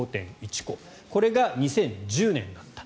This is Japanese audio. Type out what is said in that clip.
これが２０１０年だった。